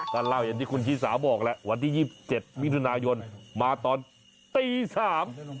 ก็เล่าอย่างที่คุณขี้สาวบอกแล้ววันที่๒๗มิถุนายนมาตอน๓ทุ่ม